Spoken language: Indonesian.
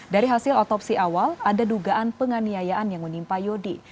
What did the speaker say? dari hasil otopsi awal ada dugaan penganiayaan yang menimpa yodi